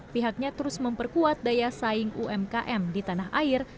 pihaknya terus memperkuat daya saing umkm di tanah air